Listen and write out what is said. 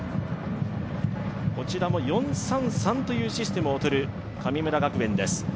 こちらも４−３−３というシステムをとる神村学園です。